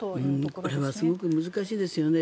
これはすごく難しいですよね。